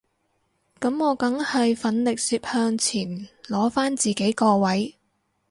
噉我梗係奮力攝向前攞返自己個位